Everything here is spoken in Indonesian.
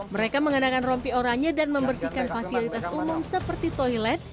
mereka mengenakan rompi oranya dan membersihkan fasilitas umum seperti toilet